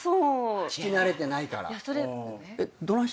聞き慣れてないから。